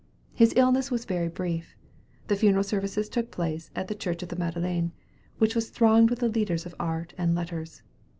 His illness was very brief. The funeral services took place at the Church of the Madeleine, which was thronged with the leaders of art and letters.